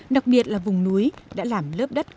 đặc biệt là vùng núi đã làm lớp đất